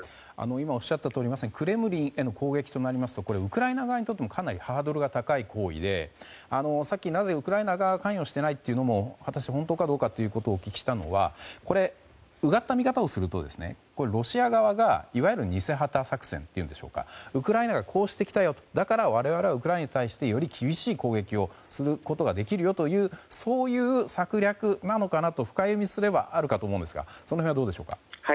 今おっしゃったとおりまさにクレムリンへの攻撃となりますとこれ、ウクライナ側にとってもかなりハードルが高い行為でさっきなぜウクライナ側は関与していないというのも本当かどうかお聞きしたのはうがった見方をするとロシア側が、いわゆる偽旗作戦というんでしょうかウクライナが、こうしてきたよだから我々はウクライナに対してより厳しい攻撃をすることができるよというそういう策略なのかなと深読みすればあるかと思うんですがその辺はどうでしょうか？